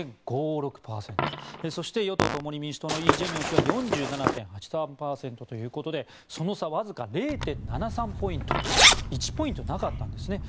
そして与党・共に民主党のイ・ジェミョン氏は４７．８３％ということでその差、わずか０．７３ポイント１ポイントなかったんです。